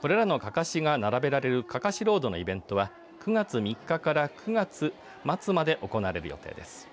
これらのかかしが並べられるかかしロードのイベントは９月３日から９月末まで行われる予定です。